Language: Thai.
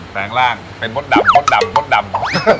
แปลงร่างเป็นมดดำมดดำมดดำ